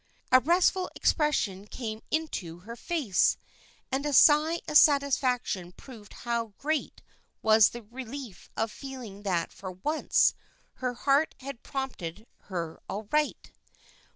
A restful expression came into her face, and a sigh of satisfaction proved how great was the relief of feeling that for once her heart had prompted her aright.